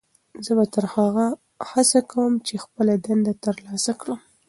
زه به تر هغو هڅه کوم چې خپله دنده ترلاسه کړم.